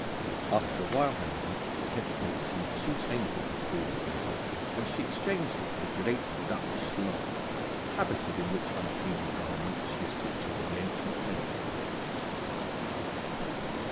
After a while, however, the petticoat seemed too tame for her stalwart temper, and she exchanged it for the great Dutch slop, habited in which unseemly garment she is pictured in the ancient prints.